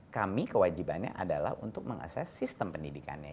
kami kewajibannya adalah untuk mengakses sistem pendidikannya